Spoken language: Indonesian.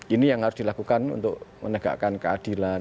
ini yang harus dilakukan untuk menegakkan keadilan